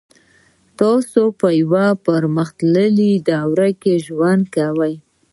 تاسو په یوه پرمختللې دوره کې ژوند کوئ